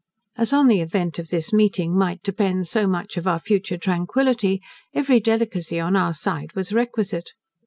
As on the event of this meeting might depend so much of our future tranquillity, every delicacy on our side was requisite.